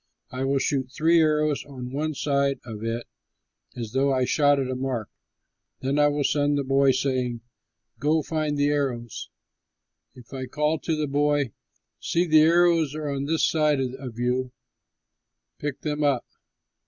I will shoot three arrows on one side of it, as though I shot at a mark. Then I will send the boy, saying, 'Go, find the arrows.' If I call to the boy, 'See, the arrows are on this side of you; pick them up!'